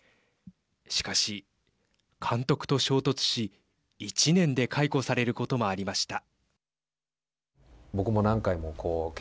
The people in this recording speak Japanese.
しかし、監督と衝突し１年で解雇されることもありました。